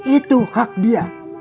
itu hak dia